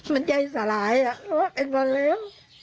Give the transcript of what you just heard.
มันใจสลายอ่ะอ๊ะเป็นคนเล้ว